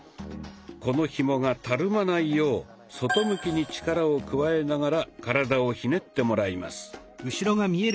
このひもがたるまないよう外向きに力を加えながら体をひねってもらいます。